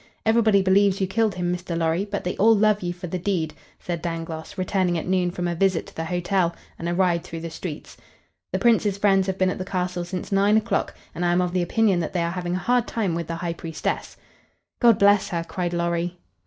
Everybody believes you killed him, Mr. Lorry, but they all love you for the deed," said Dangloss, returning at noon from a visit to the hotel and a ride through the streets. "The Prince's friends have been at the castle since nine o'clock, and I am of the opinion that they are having a hard time with the High Priestess." "God bless her!" cried Lorry.